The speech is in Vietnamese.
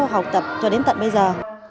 học tập cho đến tận bây giờ